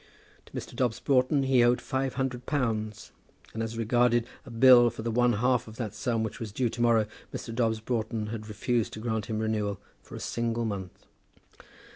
To Mr. Dobbs Broughton he owed five hundred pounds; and as regarded a bill for the one half of that sum which was due to morrow, Mr. Dobbs Broughton had refused to grant him renewal for a single month!